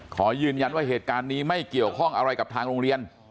ขอยืนยันว่าเหตุการณ์นี้ไม่เกี่ยวข้องอะไรกับทางโรงเรียน